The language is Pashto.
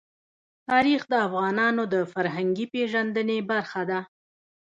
تاریخ د افغانانو د فرهنګي پیژندنې برخه ده.